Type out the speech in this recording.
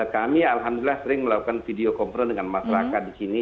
kami alhamdulillah sering melakukan video conference dengan masyarakat di sini